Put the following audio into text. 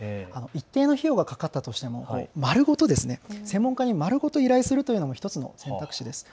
一定の費用がかかったとしても丸ごと専門家に依頼するというのも１つの選択肢です。